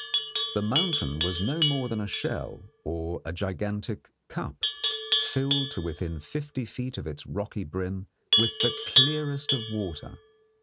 The mountain was no more than a shell or a gigantic cup, filled to within fifty feet of its rocky brim with the clearest of water.